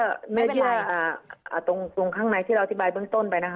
เมื่อกี้ตรงข้างในที่เราอธิบายเบื้องต้นไปนะคะ